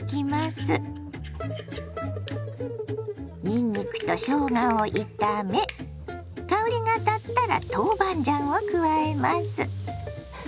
にんにくとしょうがを炒め香りがたったら豆板醤を加えます。